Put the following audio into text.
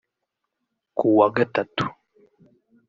ku wa Gatatu